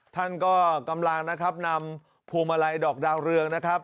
ท่านก็กำลังนำภูมิไหมลายดอกดางเรือง